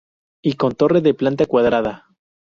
Y con torre de planta cuadrada.